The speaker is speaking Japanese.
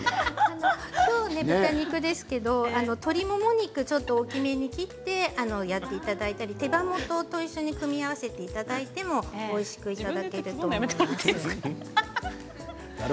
今日は豚肉ですけれども鶏もも肉をちょっと大きめに切ってやっていただいたり手羽元と組み合わせていただいてもおいしくできます。